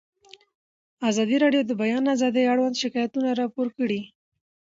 ازادي راډیو د د بیان آزادي اړوند شکایتونه راپور کړي.